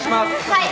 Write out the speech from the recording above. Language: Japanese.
はい！